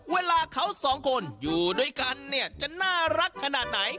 เวลาเขาสองคนอยู่ด้วยกันเนี่ยจะน่ารักขนาดไหน